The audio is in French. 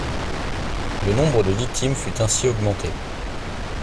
Le nombre de victimes fut ainsi augmenté.